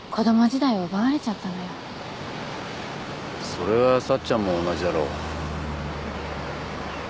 それはさっちゃんも同じだろ。